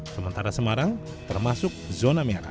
sementara semarang termasuk zona merah